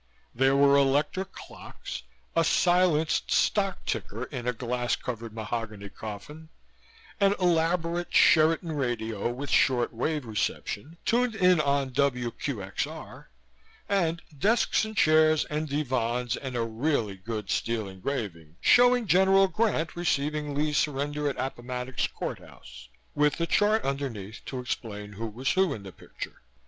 There were electric clocks, a silenced stock ticker in a glass covered mahogany coffin, an elaborate Sheraton radio with short wave reception, tuned in on WQXR, and desks and chairs and divans and a really good steel engraving showing General Grant receiving Lee's surrender at Appomattox Court House, with a chart underneath to explain who was who in the picture.